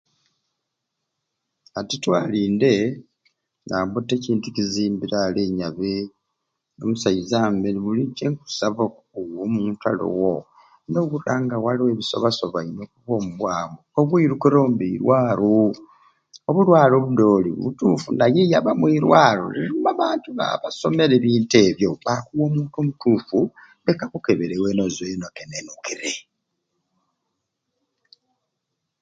A titwalinde nambu te ekintu kizimbire ale nyabe omusaiza mbe buli kyenkusaba buli muntu aliwo nowura nga waliwo ebisobaasobaine omu bwoomi bwamu obwirukiro mbe irwaro obulwaro obudyoli bituufu naye yaba omwirwaro eribbamu abantu ababba basomere e bintu ebyo baakuwa omuntu omutuufu leke akukebere weena ozweyo nga otenenukire